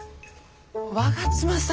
我妻さん。